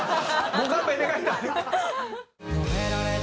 ご勘弁願いたい。